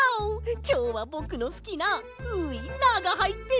きょうはぼくのすきなウインナーがはいってる！